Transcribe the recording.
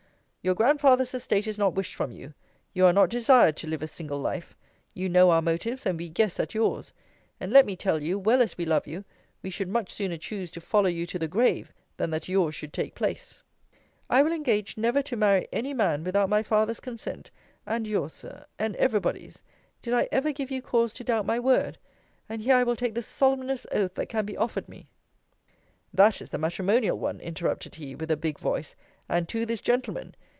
Your grandfather's estate is not wished from you. You are not desired to live a single life. You know our motives, and we guess at yours. And, let me tell you, well as we love you, we should much sooner choose to follow you to the grave, than that yours should take place. I will engage never to marry any man, without my father's consent, and yours, Sir, and every body's. Did I ever give you cause to doubt my word? And here I will take the solemnest oath that can be offered me That is the matrimonial one, interrupted he, with a big voice and to this gentleman.